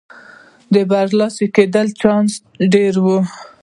د برلاسه کېدو چانس یې ډېر و.